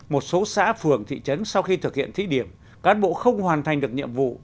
một số xã phường thị trấn sau khi thực hiện thí điểm cán bộ không hoàn thành được nhiệm vụ